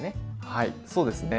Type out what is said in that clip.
はいそうですね